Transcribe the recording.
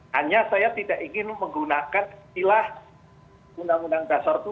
hanya saya tidak ingin menggunakan istilah undang undang dasar itu